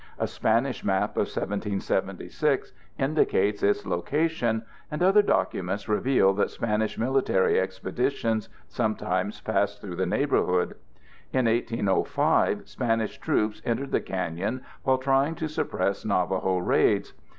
A Spanish map of 1776 indicates its location, and other documents reveal that Spanish military expeditions sometimes passed through the neighborhood. In 1805, Spanish troops entered the canyon while trying to suppress Navajo raids.